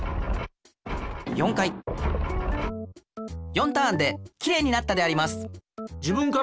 ４ターンできれいになったであります！